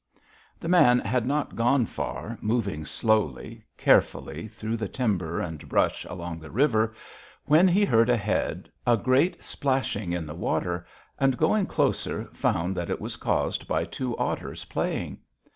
"The man had not gone far, moving slowly, carefully, through the timber and brush along the river, when he heard ahead a great splashing in the water, and, going closer, found that it was caused by two otters playing.